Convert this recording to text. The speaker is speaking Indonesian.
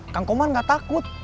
kang komar gak takut